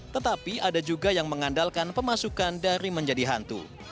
tetapi ada juga yang mengandalkan pemasukan dari menjadi hantu